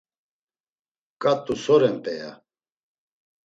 Ǩat̆u so ren p̌eya?